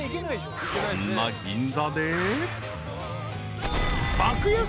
［そんな銀座で］